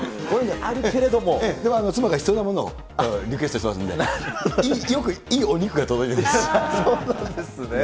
あるけれども、妻が必要なものをリクエストしてますので、よくいいお肉が届いてそうなんですね。